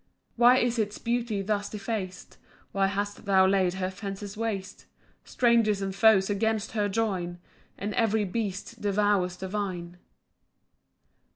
7 Why is its beauty thus defac'd? Why hast thou laid her fences waste? Strangers and foes against her join, And every beast devours the vine.